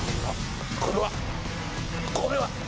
これはこれは！